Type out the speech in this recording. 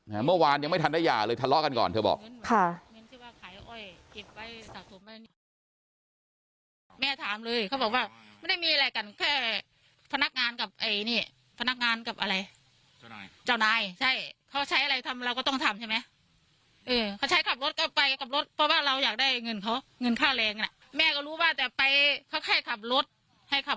เมื่อวานยังไม่ทันได้หย่าเลยทะเลาะกันก่อนเธอบอกค่ะ